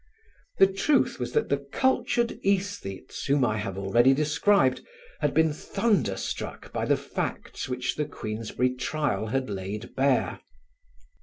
The truth was that the cultured æsthetes whom I have already described had been thunderstruck by the facts which the Queensberry trial had laid bare.